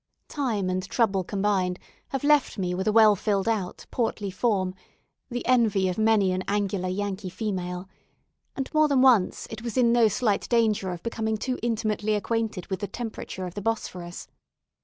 Time and trouble combined have left me with a well filled out, portly form the envy of many an angular Yankee female and, more than once, it was in no slight danger of becoming too intimately acquainted with the temperature of the Bosphorus.